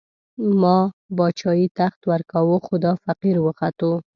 ما باچايي، تخت ورکوو، خو دا فقير وختو